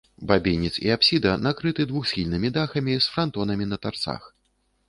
Бабінец і апсіда накрыты двухсхільнымі дахамі з франтонамі на тарцах.